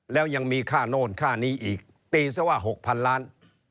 แล้วยังมีค่าโน่นค่านี้อีกตีซะว่า๖๐๐๐ล้าน